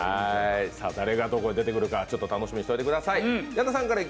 誰がどこに出てくるか楽しみにしておいてください。